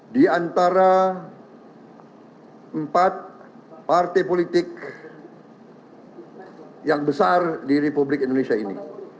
di antara empat partai politik yang besar di republik indonesia ini